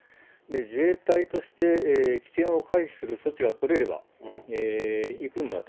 自衛隊として危険を回避する措置が取れれば、行くんだと。